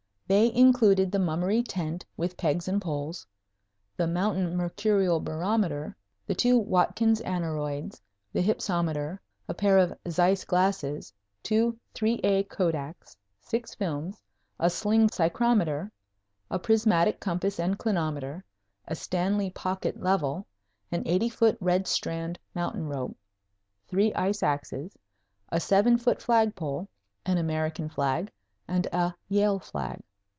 They included the Mummery tent with pegs and poles, the mountain mercurial barometer, the two Watkins aneroids, the hypsometer, a pair of Zeiss glasses, two 3A kodaks, six films, a sling psychrometer, a prismatic compass and clinometer, a Stanley pocket level, an eighty foot red strand mountain rope, three ice axes, a seven foot flagpole, an American flag and a Yale flag.